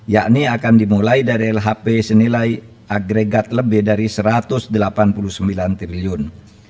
yakni akan dimulai dari lhp senilai agregat lebih dari satu ratus delapan puluh sembilan triliun